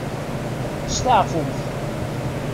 Steɛfumt.